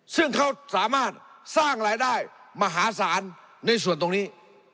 ซึ่งเขาสามารถสร้างรายได้มหาศาลในส่วนตรงนี้